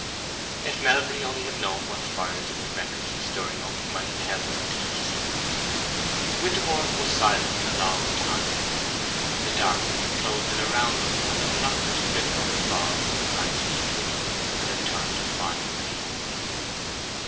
If Melbury only had known what fires he was recklessly stirring up he might have held his peace. Winterborne was silent a long time. The darkness had closed in round them, and the monotonous drip of the fog from the branches quickened as it turned to fine rain.